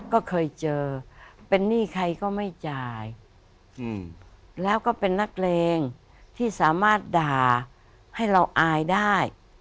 ก็เคยเจอเป็นหนี้ใครก็ไม่จ่ายแล้วก็เป็นนักเลงที่สามารถด่าให้เราอายได้